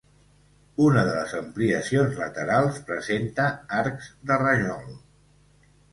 Una de les ampliacions laterals presenta arcs de rajol.